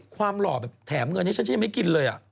ความหล่อแบบแถมเงินเนี่ยฉันยังไม่กินเลยอะ